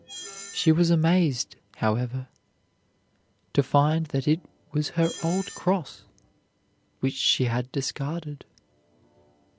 She was amazed, however, to find that it was her old cross which she had discarded.